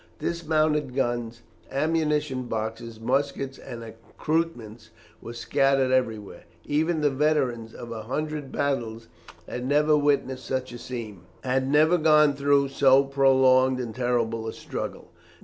Dismounted guns, ammunition boxes, muskets, and accoutrements were scattered everywhere. Even the veterans of a hundred battles had never witnessed such a scene, had never gone through so prolonged and terrible a struggle.